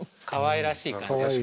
かわいらしい感じ。